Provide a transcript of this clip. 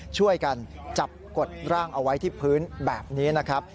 ช่วยกันจับกดร่างเอาไว้ที่พื้นแบบนี้นะครับ